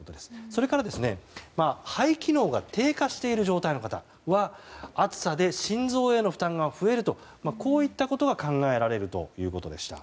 それから、肺機能が低下している状態の方は暑さで心臓への負担が増えるとこういったことが考えられるということでした。